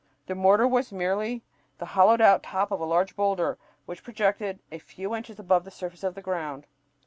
The mortar was merely the hollowed out top of a large boulder which projected a few inches above the surface of the ground.